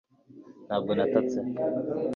ntabwo natatse